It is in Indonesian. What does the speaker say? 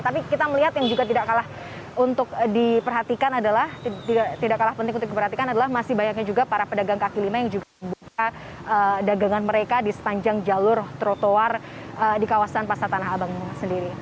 tapi kita melihat yang juga tidak kalah untuk diperhatikan adalah tidak kalah penting untuk diperhatikan adalah masih banyaknya juga para pedagang kaki lima yang juga membuka dagangan mereka di sepanjang jalur trotoar di kawasan pasar tanah abang sendiri